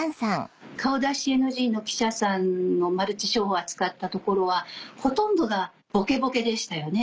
顔出しＮＧの記者さんのマルチ商法を扱ったところはほとんどがボケボケでしたよね。